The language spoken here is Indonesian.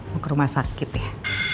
mau ke rumah sakit ya